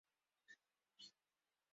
He later helped found the Radar Group.